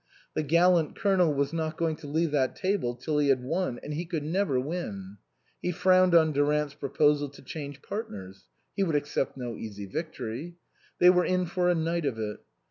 The gallant Colonel was not going to leave that table till he had won, and he could never win. He frowned on Durant's proposal to change partners ; he would accept no easy victory. They were in for a night of it.